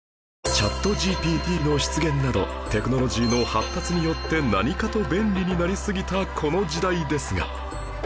ＣｈａｔＧＰＴ の出現などテクノロジーの発達によって何かと便利になりすぎたこの時代ですが